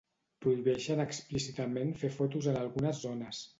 prohibeixen explícitament fer fotos en algunes zones